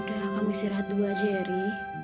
udah kamu istirahat dulu aja ya ri